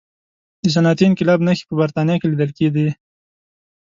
د صنعتي انقلاب نښې په برتانیا کې لیدل کېدې.